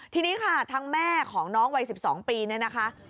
ทีนี้ค่ะทั้งแม่ของน้องวัย๑๒ปีเนี่ยนะคะ